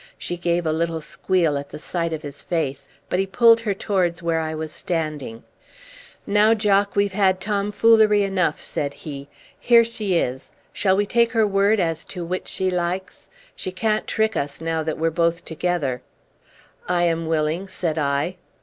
She gave a little squeal at the sight of his face, but he pulled her towards where I was standing. "Now, Jock, we've had tomfoolery enough," said he. "Here she is. Shall we take her word as to which she likes? She can't trick us now that we're both together." "I am willing," said I.